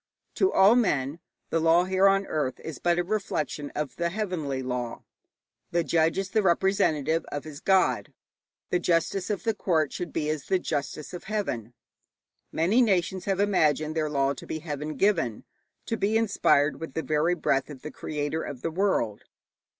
To all men the law here on earth is but a reflection of the heavenly law; the judge is the representative of his god. The justice of the court should be as the justice of heaven. Many nations have imagined their law to be heaven given, to be inspired with the very breath of the Creator of the world.